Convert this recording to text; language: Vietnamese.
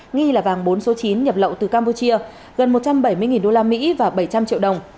nghi là vàng bốn số chín nhập lậu từ campuchia gần một trăm bảy mươi usd và bảy trăm linh triệu đồng